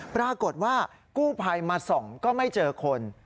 ปรากฏว่ากู้ภัยมาส่องก็ไม่เจอคน